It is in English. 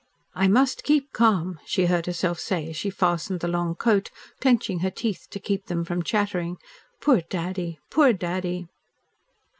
"I must keep calm," she heard herself say, as she fastened the long coat, clenching her teeth to keep them from chattering. "Poor Daddy poor Daddy!"